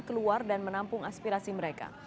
keluar dan menampung aspirasi mereka